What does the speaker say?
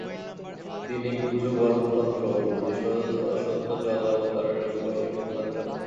তিনি গুহ্যগর্ভতন্ত্র ও বোধিসত্ত্বচর্যাবতারের ওপর শিক্ষা প্রদান করেন।